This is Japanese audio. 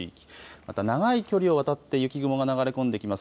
また長い距離をわたって雪雲が流れ込んできます。